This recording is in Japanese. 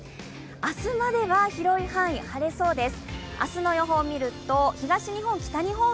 明日までは広い範囲晴れそうです。